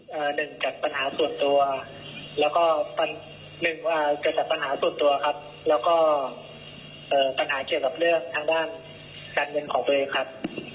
หนึ่งจากปัญหาส่วนตัวแล้วก็ปัญหาเกี่ยวกับเรื่องทางด้านการเงินของเวคครับ